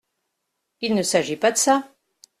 Il ne s’agit pas de ça !